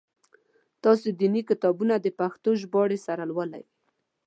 تاسو دیني کتابونه د پښتو ژباړي سره لولی؟